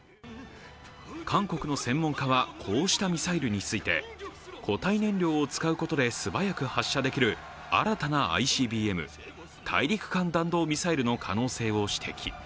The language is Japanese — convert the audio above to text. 韓国の専門家はこうしたミサイルについて固体燃料を使うことで素早く発射できる新たなＩＣＢＭ＝大陸間弾道ミサイルの可能性を指摘。